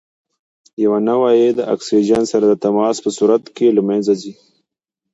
یوه نوعه یې د اکسیجن سره د تماس په صورت کې له منځه ځي.